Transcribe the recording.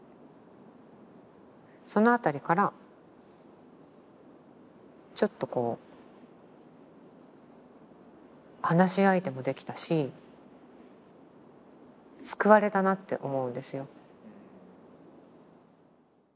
その辺りからちょっとこう話し相手もできたし救われたなって思うんですよ。